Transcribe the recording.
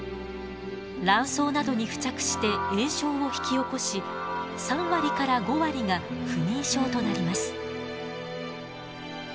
卵巣などに付着して炎症を引き起こし３割から５割が不妊症となります。